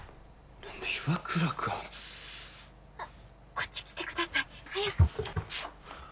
こっち来てください早く。